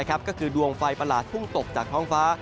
ก็คือดวงไฟประหลาดพุ่งตกจากท้องฟ้า